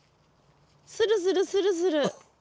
スルスルスルスル。